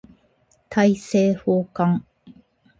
大政奉還